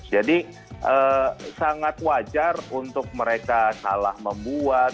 jadi sangat wajar untuk mereka salah membuat